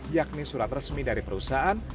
yakni surat resmi dari perusahaan